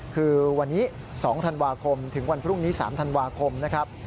คือวันนี้๒ธันวาคมถึงวันพรุ่งนี้๓ธันวาคมนะครับ